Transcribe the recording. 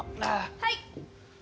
はい。